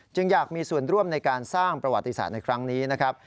อยากมีส่วนร่วมในการสร้างประวัติศาสตร์ในครั้งนี้นะครับ